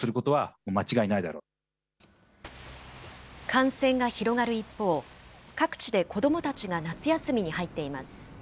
感染が広がる一方、各地で子どもたちが夏休みに入っています。